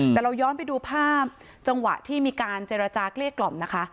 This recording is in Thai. แต่เราย้อนไปดูภาพจังหวะที่มีการเจรจาเกลี้ยกล่อมนะคะ